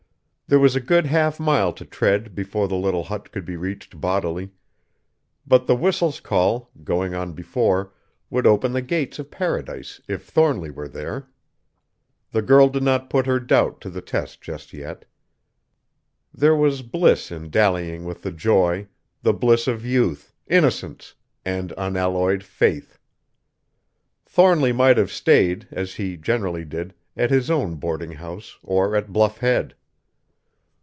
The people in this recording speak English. There was a good half mile to tread before the little hut could be reached bodily, but the whistle's call, going on before, would open the gates of Paradise if Thornly were there! The girl did not put her doubt to the test just yet. There was bliss in dallying with the joy, the bliss of youth, innocence, and unalloyed faith. Thornly might have stayed, as he generally did, at his own boarding house or at Bluff Head.